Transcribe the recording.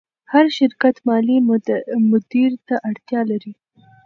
هر شرکت مالي مدیر ته اړتیا لري.